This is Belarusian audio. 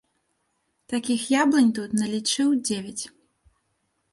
Такіх яблынь тут налічыў дзевяць.